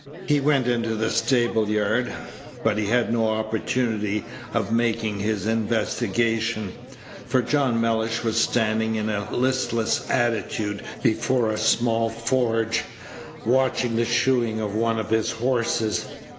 He went into the stable yard; but he had no opportunity of making his investigation, for John Mellish was standing in a listless attitude before a small forge, watching the shoeing of one of his horses.